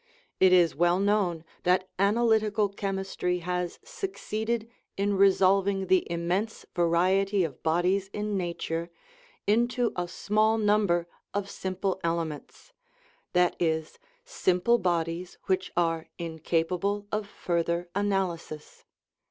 It is well known that an alytical chemistry has succeeded in resolving the im mense variety of bodies in nature into a small number of simple elements that is, simple bodies which are incapable of further analysis.